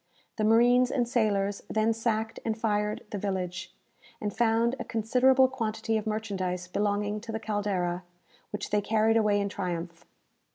The marines and sailors then sacked and fired the village, and found a considerable quantity of merchandise belonging to the "Caldera," which they carried away in triumph.